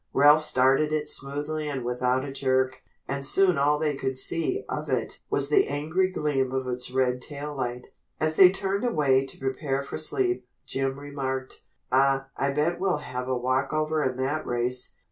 Ralph started it smoothly and without a jerk, and soon all they could see of it was the angry gleam of its red tail light. As they turned away to prepare for sleep, Jim remarked: "Aw, I bet we'll have a walkover in that race."